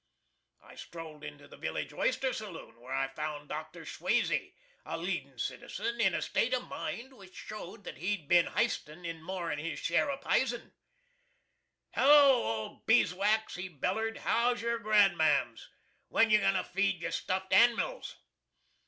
I strolled into the village oyster saloon, where I found Dr. SCHWAZEY, a leadin' citizen in a state of mind which showed that he'd bin histin' in more'n his share of pizen. "Hello, old Beeswax," he bellered; "how's yer grandmams? When you goin' to feed your stuffed animils?"